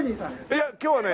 いや今日はね。